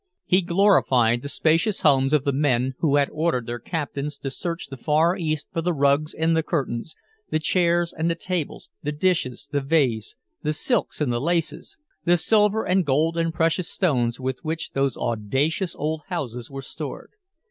He glorified the spacious homes of the men who had ordered their captains to search the Far East for the rugs and the curtains, the chairs and the tables, the dishes, the vase, the silks and the laces, the silver and gold and precious stones with which those audacious old houses were stored.